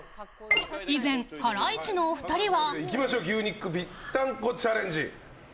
以前、ハライチのお二人は。